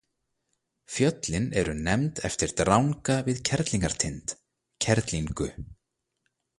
Fjöllin eru nefnd eftir dranga við Kerlingartind, Kerlingu.